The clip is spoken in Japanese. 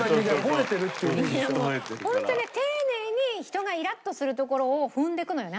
ホントね丁寧に人がイラッとするところを踏んでいくのよね